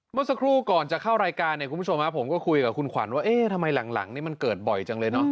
เมื่อสักครู่ก่อนจะเข้ารายการเนี่ยคุณผู้ชมผมก็คุยกับคุณขวัญว่าเอ๊ะทำไมหลังนี่มันเกิดบ่อยจังเลยเนอะ